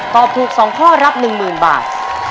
ตอบถูก๒ข้อรับ๑๐๐๐บาท